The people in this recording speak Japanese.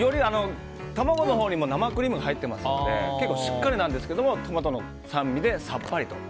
卵のほうにも生クリームが入っていますので結構、しっかりなんですけどトマトの酸味でさっぱりと。